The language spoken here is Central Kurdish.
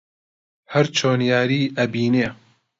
هەر چۆن یاری ئەبینێ